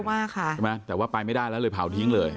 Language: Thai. มากค่ะใช่ไหมแต่ว่าไปไม่ได้แล้วเลยเผาทิ้งเลย